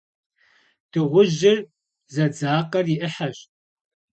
Дыгъужьыр зэдзакъэр и ӏыхьэщ.